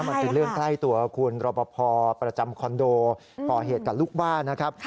มันเป็นเรื่องใกล้ตัวคุณรอปภประจำคอนโดก่อเหตุกับลูกบ้านนะครับ